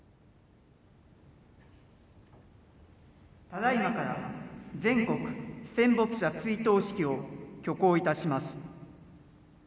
ただいまから全国戦没者追悼式を挙行いたします。